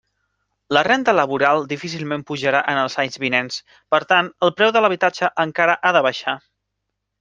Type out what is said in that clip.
La renda laboral difícilment pujarà en els anys vinents; per tant, el preu de l'habitatge encara ha de baixar.